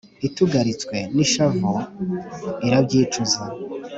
Itugaritswe n’ishavu, irabyicuza,